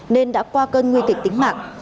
nên đã qua cơn nguy tịch tính mạng